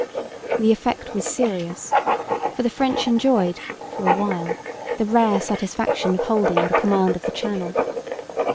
The effect was serious, for the French enjoyed for a while the rare satisfaction of holding the command of the Channel.